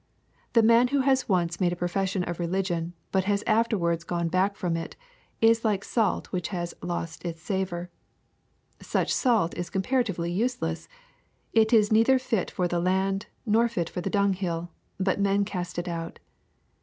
The man who has once made a profession of religion, but has afterwards gone back from it, is like salt which has "lost its savor.'' Such salt is comparatively useless. " It is neither fit for the land, nor fit for the dunghill : but men cast it out."